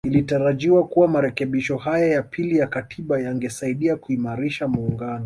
Ilitarajiwa kuwa marekebisho haya ya pili ya Katiba yangesaidia kuimarisha muungano